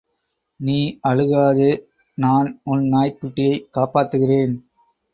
நீ அழுகாதே நான் உன் நாய்க் குட்டியைக் காப்பாத்துறேன்.